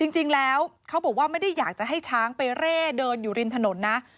จริงแล้วเขาบอกว่าไม่ได้อยากจะให้ช้างไปเร่เดินอยู่ริมถนนนะ